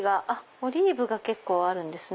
オリーブが結構あるんですね。